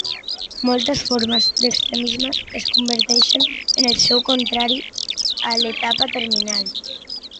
Moltes formes d'extremisme es converteixen en el seu contrari a l'etapa terminal.